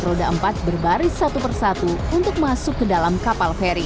roda empat berbaris satu persatu untuk masuk ke dalam kapal feri